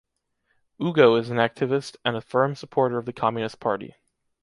Ugo is an activist and a firm supporter of the communist party.